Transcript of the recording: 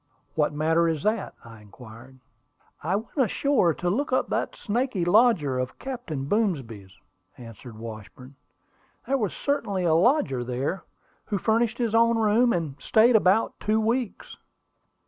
"What matter is that?" I inquired. "I went ashore to look up that snaky lodger of Captain Boomsby's," answered Washburn. "There was certainly a lodger there, who furnished his own room, and stayed about two weeks."